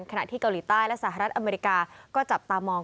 ขณะที่เกาหลีใต้และสหรัฐอเมริกาก็จับตามอง